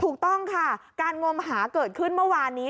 ถูกต้องค่ะการงมหาเกิดขึ้นเมื่อวานนี้